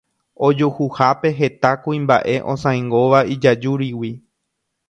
Ojuhuhápe heta kuimba'e osãingóva ijajúrigui.